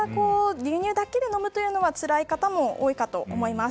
牛乳だけで飲むというのはつらい方も多いかと思います。